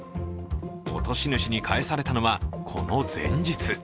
落とし主に返されたのはこの前日。